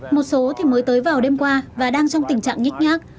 một số thì mới tới vào đêm qua và đang trong tình trạng nhích nhác